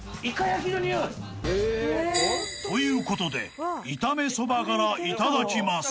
［ということで炒めそば殻いただきます］